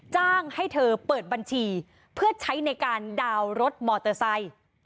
จ้างให้เธอเปิดบัญชีเพื่อใช้ในการดาวน์รถมอเตอร์ไซค์